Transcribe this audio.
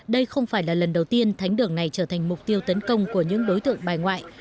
đây không phải là lần đầu tiên thánh đường này trở thành mục tiêu tấn công của những đối tượng bài ngoại